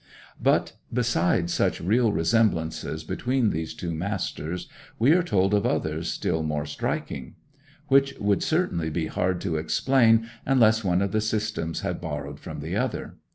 But, beside such real resemblances between these two masters, we are told of others still more striking, which would certainly be hard to explain unless one of the systems had borrowed from the other.